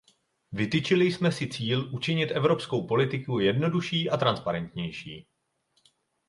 Vytyčili jsme si cíl učinit evropskou politiku jednodušší a transparentnější.